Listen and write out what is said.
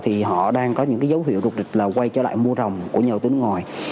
thì họ đang có những cái dấu hiệu rục lịch là quay trở lại mua rồng của nhà đầu tư nước ngoài